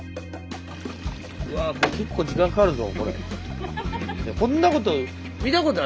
うわこれ結構時間かかるぞこれ。